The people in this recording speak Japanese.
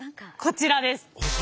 こちらです。